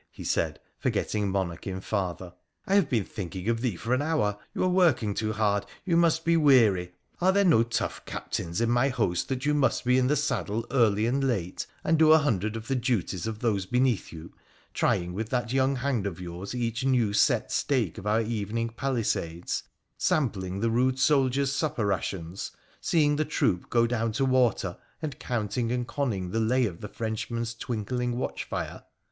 ' he said, forgetting monarch in father, ' I have been thinking of thee for an hour. You are working too hard ; you must be weary. Are there no tough captains in my host that you must be in the saddle early and late, and do a hundred of the duties of those beneath you, trying with that young hand of yours each new set stake of our evening palisades, sampling the rude soldiers' supper rations, seeing the troop go down to water, and counting and conning the lay of the Frenchman's twinkling watch fire